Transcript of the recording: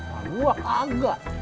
wah gua kagak